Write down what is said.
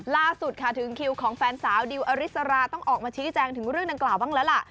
ล่าสุดค่ะถึงคิวของแฟนสาวดิวอริสราต้องออกมาชี้แจงถึงเรื่องดังกล่าวบ้างแล้วล่ะ